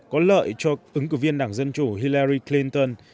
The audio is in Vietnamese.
có lợi cho ứng cử viên đảng dân chủ hillary clinton